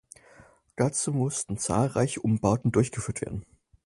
Dazu mussten zahlreiche Umbauten durchgeführt werden.